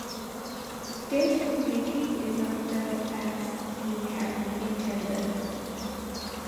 This community did not develop as he had intended.